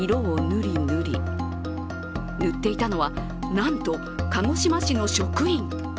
塗っていたのはなんと鹿児島市の職員。